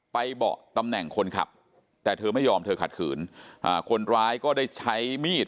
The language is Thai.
เบาะตำแหน่งคนขับแต่เธอไม่ยอมเธอขัดขืนอ่าคนร้ายก็ได้ใช้มีด